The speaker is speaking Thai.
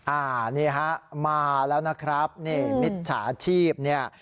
อ่านี่ครับมาแล้วนะครับมิจฉาชีพนี้